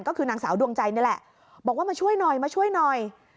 ก็คือนางสาวดวงใจนี่แหละบอกว่ามาช่วยหน่อยมาช่วยหน่อย